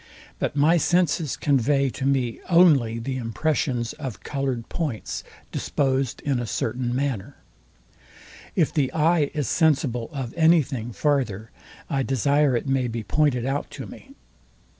But my senses convey to me only the impressions of coloured points, disposed in a certain manner. If the eye is sensible of any thing farther, I desire it may be pointed out to me.